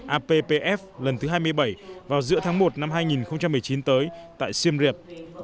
appf lần thứ hai mươi bảy vào giữa tháng một năm hai nghìn một mươi chín tới tại siem reap